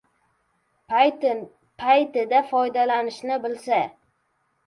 paytida foydani bilsa…